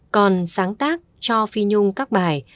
còn sáng tác cho phi nhung các bài